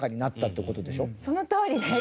そのとおりです！